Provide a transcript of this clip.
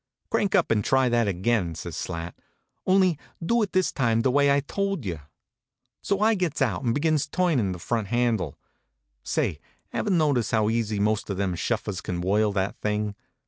" Crank up and try that again," says Slat, " only do it this time the way I told you." So I gets out and begins turnin the front handle. Say, ever notice how easy most of them shuffers can whirl that thing?